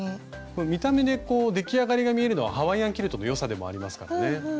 見た目でこう出来上がりが見えるのはハワイアンキルトの良さでもありますからね。